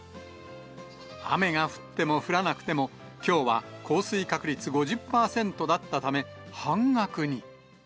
雨が降っても降らなくても、きょうは降水確率５０％だったため、半額に。